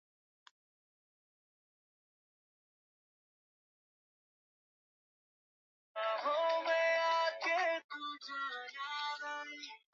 Raisi wa tanzania ni mwanamuke kwa sasa